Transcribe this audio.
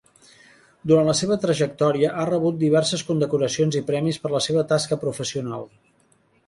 Durant la seva trajectòria, ha rebut diverses condecoracions i premis per la seva tasca professional.